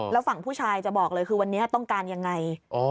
แล้วฝั่งผู้ชายจะบอกเลยคือวันนี้ต้องการยังไง